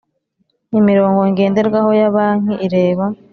Imirongo ngenderwaho ya banki ireba